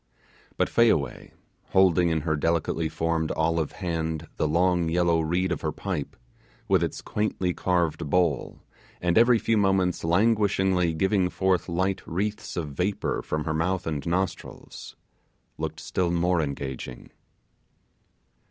But Fayaway, holding in her delicately formed olive hand the long yellow reed of her pipe, with its quaintly carved bowl, and every few moments languishingly giving forth light wreaths of vapour from her mouth and nostrils, looked still more engaging.